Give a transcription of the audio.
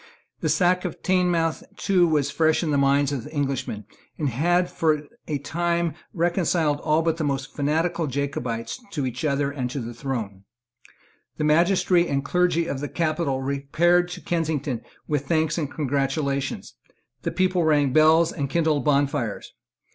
The sack of Teignmouth too was fresh in the minds of Englishmen, and had for a time reconciled all but the most fanatical Jacobites to each other and to the throne. The magistracy and clergy of the capital repaired to Kensington with thanks and congratulations. The people rang bells and kindled bonfires.